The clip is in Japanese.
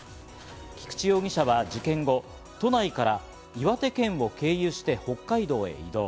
菊池容疑者は事件後、都内から岩手県を経由し北海道へ移動。